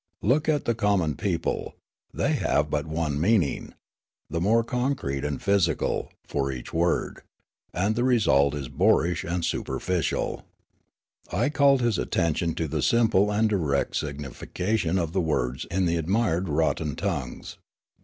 Look at the common people ; they have but one meaning, the more concrete and physical, for each word ; and the result is boorish and superficial." I called his attention to the simple and direct significa tion of the words in the admired rotten tongues.